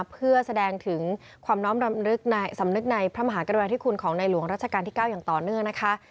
เพื่อแสดงถึงความน้อมรำลึกในพระมหากรุณาธิคุณของในหลวงรัชกาลที่๙อย่างต่อเนื่องนะคะ